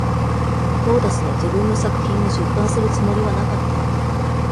コーダスは自分の作品を出版するつもりはなかった。